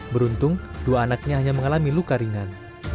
beruntung dua anaknya hanya mengalami luka ringan